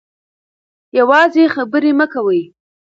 یوازې خبرې مه کوئ.